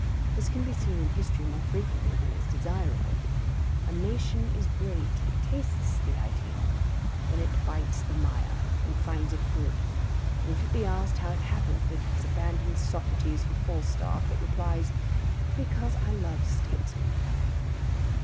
This can be seen in history more frequently than is desirable: A nation is great, it tastes the ideal, then it bites the mire, and finds it good; and if it be asked how it happens that it has abandoned Socrates for Falstaff, it replies: "Because I love statesmen."